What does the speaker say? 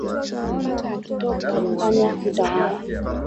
Paka akitoka panya hutawala